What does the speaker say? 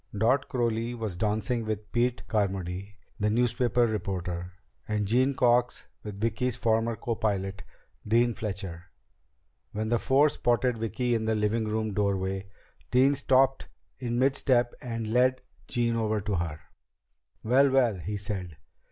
Dot Crowley was dancing with Pete Carmody, the newspaper reporter, and Jean Cox with Vicki's former copilot, Dean Fletcher. When the four spotted Vicki in the living room doorway, Dean stopped in mid step and led Jean over to her. "Well, well," he said.